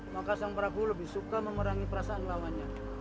maka sang prabu lebih suka memerangi perasaan lawannya